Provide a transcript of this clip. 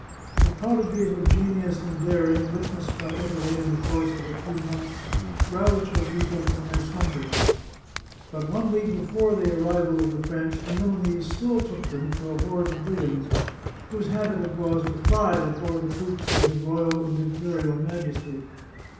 The prodigies of genius and daring witnessed by Italy in the course of a few months, roused her people from their slumbers. But one week before the arrival of the French, the Milanese still took them for a horde of brigands, whose habit it was to fly before the troops of his Royal and Imperial Majesty.